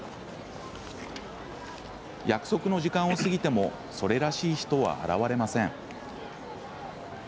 約束の時間を過ぎてもそれらしい人は現れません。